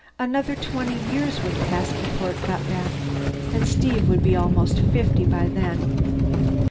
Another twenty years would pass before it got back, and Steve would be almost fifty by then.